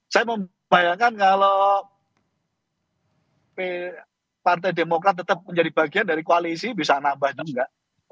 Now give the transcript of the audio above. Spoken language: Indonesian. saya membayangkan kalau partai demokrat tetap menjadi bagian dari koalisi bisa nambah juga